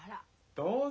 どうぞ。